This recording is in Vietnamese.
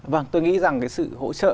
vâng tôi nghĩ rằng cái sự hỗ trợ